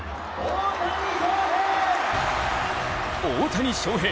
大谷翔平